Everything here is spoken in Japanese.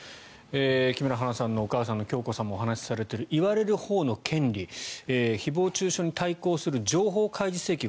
木村花さんのお母さんの響子さんもお話しされている言われるほうの権利誹謗・中傷に対抗する情報開示請求